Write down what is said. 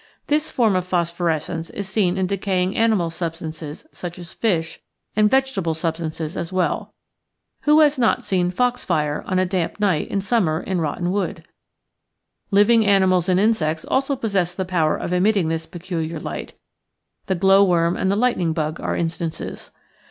This form of phosphorescence is seen in decaying animal substances, such as fish, and vegetable substances as well. Who has not seen " foxfire " on a damp night in summer in rotten wood? Living animals and insects also possess the power of emitting this peculiar light — the glow worm and the lightning bug are instances.